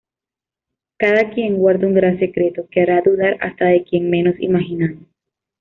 Cada quien guarda un gran secreto que hará dudar hasta de quien menos imaginamos.